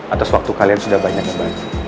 atas waktu kalian sudah banyak banyak